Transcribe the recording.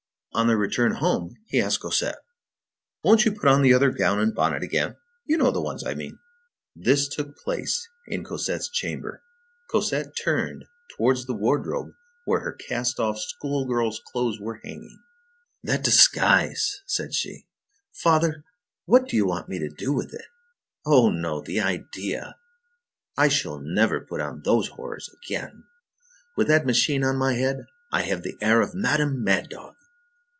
On their return home, he asked Cosette:— "Won't you put on that other gown and bonnet again,—you know the ones I mean?" This took place in Cosette's chamber. Cosette turned towards the wardrobe where her cast off schoolgirl's clothes were hanging. "That disguise!" said she. "Father, what do you want me to do with it? Oh no, the idea! I shall never put on those horrors again. With that machine on my head, I have the air of Madame Mad dog."